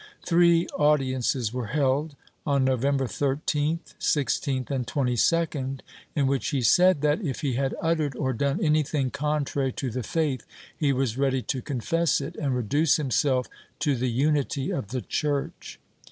Three audiences were held, on November 13th, 16th, and 22d, in which he said that, if he had uttered or done anything contrary to the faith, he was ready to confess it and reduce himself to the unity of the Church.